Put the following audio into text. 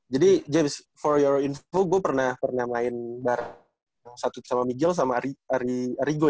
jadi james for your info gua pernah main bareng satu sama miguel sama arigo ya